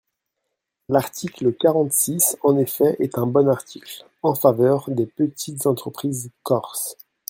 L’article quarante-six, en effet, est un bon article, en faveur des petites entreprises corses.